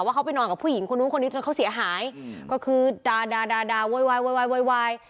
เขาไปนอนกับผู้หญิงคนนู้นคนนี้จนเขาเสียหายก็คือด่าดาด่าโวยวายโวยวายโวยวาย